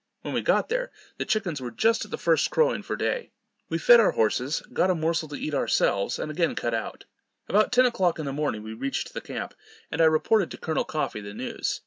When we got there, the chickens were just at the first crowing for day. We fed our horses, got a morsel to eat ourselves, and again cut out. About ten o'clock in the morning we reached the camp, and I reported to Col. Coffee the news.